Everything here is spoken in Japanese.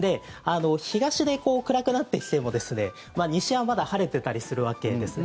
東で暗くなってきても西はまだ晴れてたりするわけです。